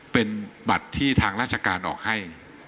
เป็นบัตรที่ทางราชการออกให้